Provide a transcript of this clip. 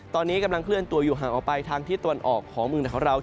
ตอนนี้กำลังเคลื่อนตัวอยู่ห่างออกไปทางที่ตะวันออกของเมืองของเรา